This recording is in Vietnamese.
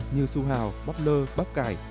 như su hào bắp lơ bắp cải